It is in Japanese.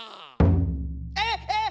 えっえっ。